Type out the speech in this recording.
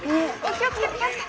気を付けて気を付けて！